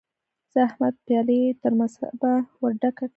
د احمد پياله يې تر مذبه ور ډکه کړه.